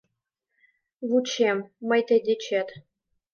Вучем... мый тый дечет.